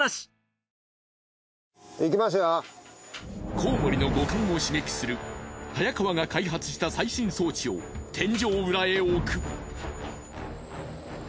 コウモリの五感を刺激する早川が開発した最新装置を天井裏へ置く。